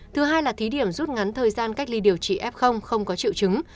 thứ hai là thí điểm rút ngắn thời gian cách ly điều trị f không có triệu chứng